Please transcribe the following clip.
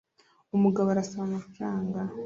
Umugabo arasaba amafaranga